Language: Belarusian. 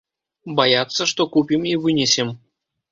Баяцца, што купім і вынесем.